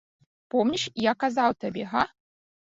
Помніш, я казаў табе, га?